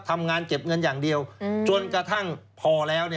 ทำงานเก็บเงินอย่างเดียวจนกระทั่งพอแล้ว